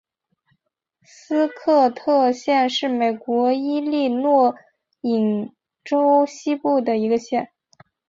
斯科特县是美国伊利诺伊州西部的一个县。